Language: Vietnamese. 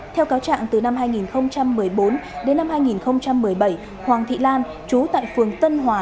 theo cáo trạng từ năm hai nghìn một mươi bốn đến năm hai nghìn một mươi bảy hoàng thị lan chú tại phường tân hòa